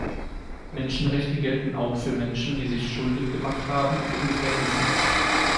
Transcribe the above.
Menschenrechte gelten auch für Menschen, die sich schuldig gemacht haben und im Gefängnis sitzen.